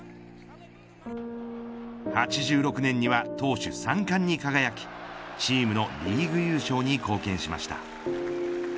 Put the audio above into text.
８６年には投手三冠に輝きチームのリーグ優勝に貢献しました。